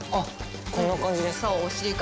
こんな感じですか？